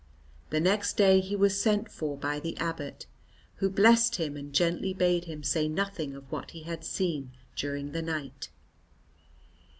The next day he was sent for by the abbot, who blessed him and gently bade him say nothing of what he had seen during the night.